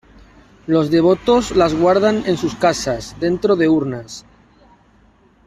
Los devotos las guardan en sus casas dentro de urnas.